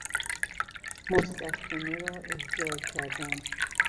مستخدمه را احضار کردن